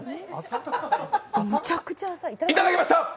いただきました！